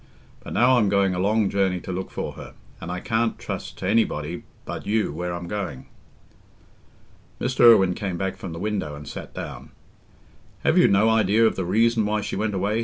But now I'm going a long journey to look for her, and I can't trust t' anybody but you where I'm going." Mr. Irwine came back from the window and sat down. "Have you no idea of the reason why she went away?"